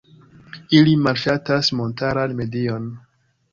Ili malŝatas montaran medion.